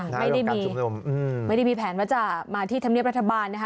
ไม่ได้มีชุมนุมไม่ได้มีแผนว่าจะมาที่ธรรมเนียบรัฐบาลนะคะ